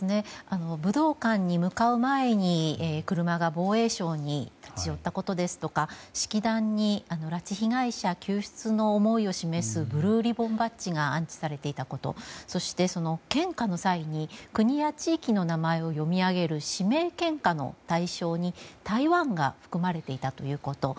武道館に向かう前に車が防衛省に立ち寄ったことですとか式壇に、拉致被害者救出の思いを示すブルーリボンバッジが安置されていたことそして、献花の際に国や地域の名前を読み上げる指名献花の対象に台湾が含まれていたということ。